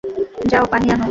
যাও, পানি আনো।